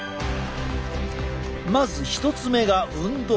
まず１つ目が運動。